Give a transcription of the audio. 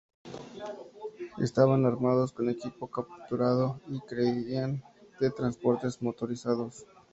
Estaban armados con equipo capturado y carecían de transportes motorizados.